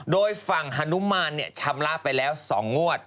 โดยฝั่งหนุมารเนี่ยชำระไปแล้ว๒งวด